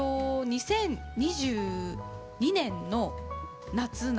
２０２２年の夏なので。